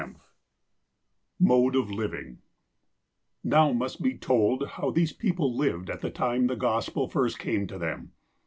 IX MODE OF LIVING NOW must be told how these people lived at the time the Gospel first came to them.